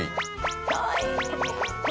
かわいい。